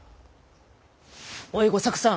おい吾作さん。